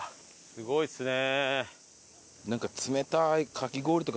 すごいですね。